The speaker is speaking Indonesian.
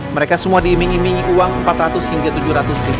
mereka semua dimingi mingi uang rp empat ratus